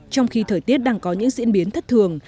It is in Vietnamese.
trong khi thời tiết đang có những diễn biến thất thường